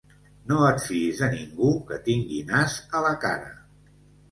No et fiïs de ningú que tingui nas a la cara.